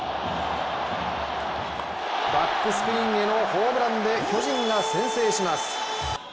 バックスクリーンへのホームランで巨人が先制します。